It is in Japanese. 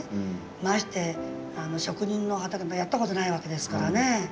まして職人の畑もやったことないわけですからね。